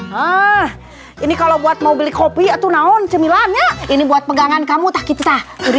hah ini kalau buat mau beli kopi atau naun cemilannya ini buat pegangan kamu tak kisah